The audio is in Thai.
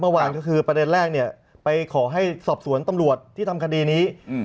เมื่อวานก็คือประเด็นแรกเนี่ยไปขอให้สอบสวนตำรวจที่ทำคดีนี้